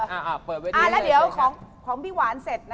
อ่าแล้วเดี๋ยวของพี่หวานเสร็จนะ